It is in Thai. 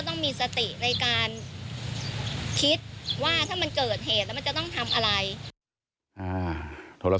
ต้องมีความระแวดระวังตัวเองแล้วก็ต้องมีสติในการคิดว่าถ้ามันเกิดเหตุแล้วมันจะต้องทำอะไร